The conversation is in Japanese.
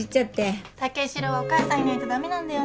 武四郎はお母さんいないと駄目なんだよね。